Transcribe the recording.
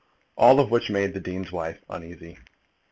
All of which made the dean's wife uneasy.